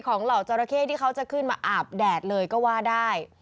เหล่าจราเข้ที่เขาจะขึ้นมาอาบแดดเลยก็ว่าได้